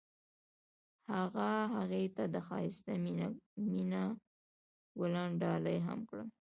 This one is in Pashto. هغه هغې ته د ښایسته مینه ګلان ډالۍ هم کړل.